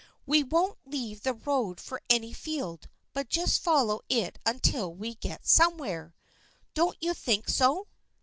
We won't leave the road for any field, but just follow it until we get somewhere. Don't you think so